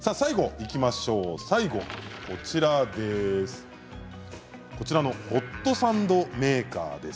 最後はホットサンドメーカーです。